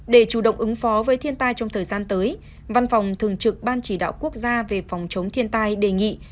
để chủ động ứng phó với thiên tai trong thời gian tới văn phòng thường trực ban chỉ đạo quốc gia về phòng chống thiên tai đề nghị